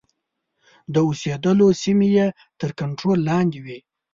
د اوسېدلو سیمې یې تر کنټرول لاندي وې.